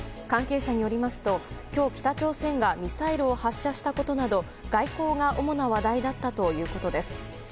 関係者によりますと今日、北朝鮮がミサイルを発射したことなど外交が主な話題だったということです。